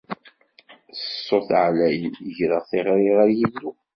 S ṣṣut ɛlayen, greɣ tiɣri ɣer Yillu.